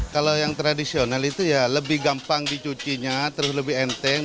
kalau yang tradisional itu ya lebih gampang dicucinya terus lebih enteng